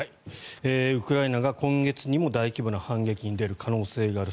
ウクライナが今月にも大規模な反撃に出る可能性がある。